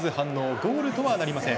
ゴールトはなりません。